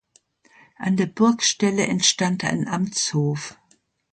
An der Burgstelle entstand ein Amtshof.